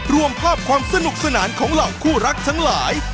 รวมภาพความสนุกสนานของเหล่าคู่รักทั้งหลาย